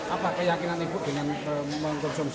apa keyakinan ibu dengan mengonsumsi bubur samit